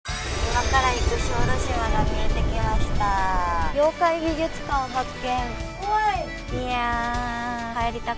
今から行く小豆島が見えてきました。